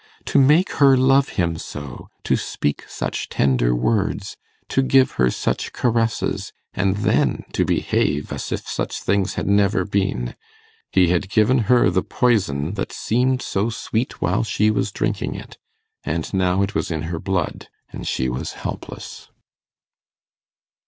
To make her love him so to speak such tender words to give her such caresses, and then to behave as if such things had never been. He had given her the poison that seemed so sweet while she was drinking it, and now it was in her blood, and she was helpless.